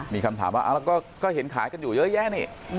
มีคำถามว่าแล้วก็เห็นขายกันอยู่เยอะแยะนี่